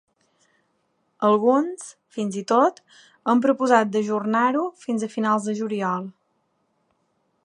Alguns, fins i tot, han proposat d’ajornar-ho fins a finals de juliol.